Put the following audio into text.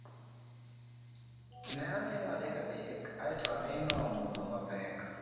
ne aneno adek adek ayeto aneno mudho mapek